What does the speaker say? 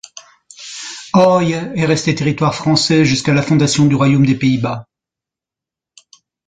Oijen est resté territoire français jusqu'à la fondation du Royaume des Pays-Bas.